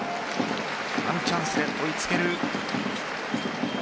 ワンチャンスで追いつける。